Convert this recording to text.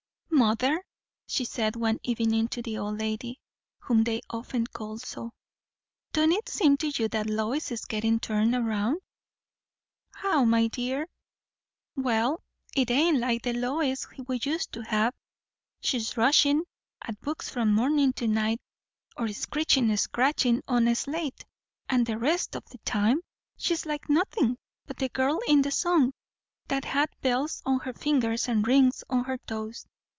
"Mother," she said one evening to the old lady, whom they often called so, "don't it seem to you that Lois is gettin' turned round?" "How, my dear?" "Well, it ain't like the Lois we used to have. She's rushin' at books from morning to night, or scritch scratching on a slate; and the rest o' the time she's like nothin' but the girl in the song, that had 'bells on her fingers and rings on her toes.'